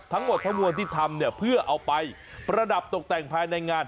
ทั้งหมดทั้งมวลที่ทำเนี่ยเพื่อเอาไปประดับตกแต่งภายในงาน